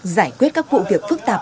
giải quyết các vụ việc phức tạp